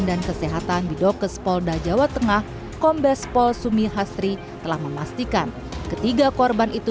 dan kesehatan di dokes polda jawa tengah kombes pol sumihastri telah memastikan ketiga korban itu